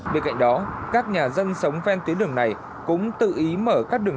bên cạnh đó các nhà dân sống ven tuyến đường này cũng tự ý mở các đường